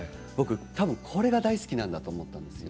多分これが大好きなんだと思ったんです。